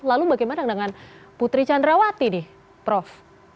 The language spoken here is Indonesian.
lalu bagaimana dengan putri candrawati nih prof